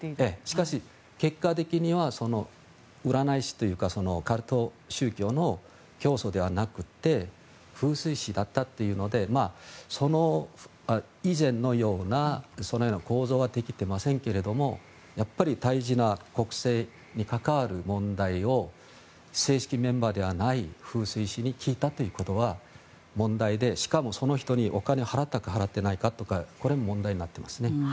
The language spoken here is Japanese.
しかし結果的には占い師というかカルト宗教の教祖ではなくて風水師だったというので以前のようなそのような構造はできてませんけどもやっぱり大事な国政に関わる問題を正式メンバーではない風水師に聞いたということは問題でしかもその人にお金を払ったか払っていないかとかこれも問題になっていますね。